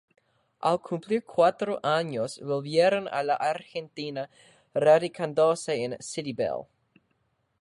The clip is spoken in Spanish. Al cumplir cuatro años volvieron a la Argentina, radicándose en City Bell.